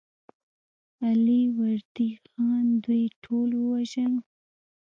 علي وردي خان دوی ټول ووژل.